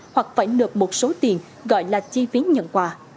hoặc phải nợp một số tiền gọi là chi phí nhận quà